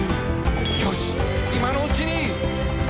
「よし、いまのうちに！」